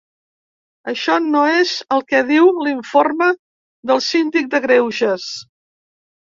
Això no és el que diu l’informe del síndic de greuges.